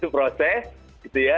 diproses gitu ya